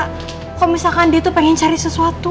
kalau misalkan dia tuh pengen cari sesuatu